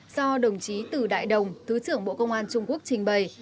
do đồng chí tử đại đồng thứ trưởng bộ công an trung quốc trình bày